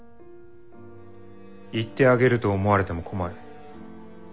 行ってあげると思われても困る。